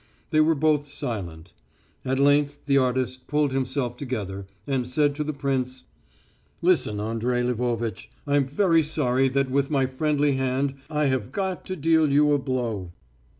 They were both silent. At length the artist pulled himself together and said to the prince, "Listen, Andrey Lvovitch. I'm very sorry that with my friendly hand I have got to deal you a blow."